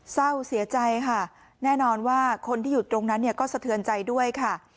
เศร้าเสียใจค่ะแน่นอนว่าคนที่อยู่ตรงนั้นเนี่ยก็สะเทือนใจด้วยค่ะ